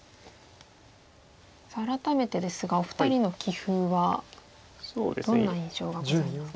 さあ改めてですがお二人の棋風はどんな印象がございますか。